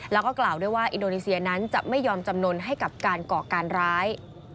แล้วก็กล่าวด้วยว่าอินโดนีเซียนั้นจะไม่ยอมจำนวนให้กับการก่อการร้าย